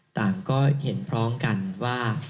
ต่างก็เห็นพร้อมกันว่า